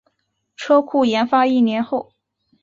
车库研发一年后